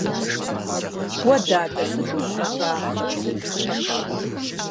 - Уэ, дадэ, сыту ущӀалафэ!